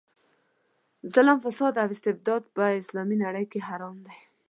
ظلم، فساد او استبداد په اسلامي نظام کې حرام دي.